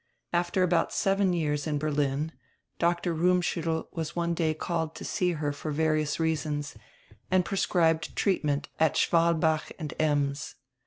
After about seven years in Berlin Dr. Rummschuttel was one day called to see her for various reasons and prescribed treatment at Schwalbach and Ems.